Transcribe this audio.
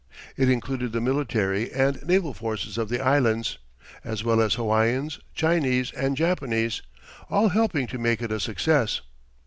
It included the military and naval forces of the Islands, as well as Hawaiians, Chinese and Japanese all helping to make it a success.